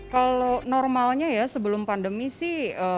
kalau normalnya ya sebelum pandemi sih